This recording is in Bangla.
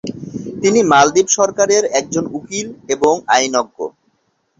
তিনি মালদ্বীপ সরকারের একজন উকিল এবং আইনজ্ঞ।